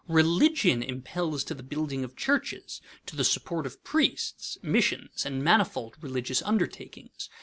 Religion impels to the building of churches, to the support of priests, missions, and manifold religious undertakings.